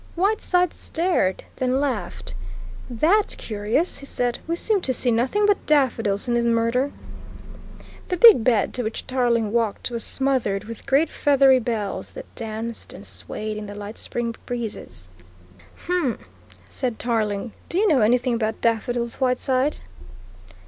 Whiteside stared, then laughed. "That curious," he said. "We seem to see nothing but daffodils in this murder!" The big bed to which Tarling walked was smothered with great feathery bells that danced and swayed in the light spring breezes. "Humph!" said Tarling. "Do you know anything about daffodils, Whiteside?"